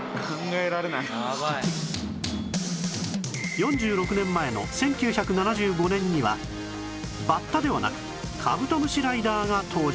４６年前の１９７５年にはバッタではなくカブトムシライダーが登場